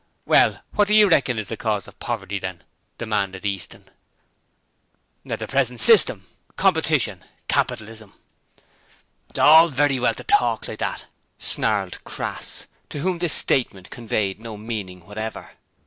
'Well, wot do you reckon is the cause of poverty, then?' demanded Easton. 'The present system competition capitalism.' 'It's all very well to talk like that,' snarled Crass, to whom this statement conveyed no meaning whatever.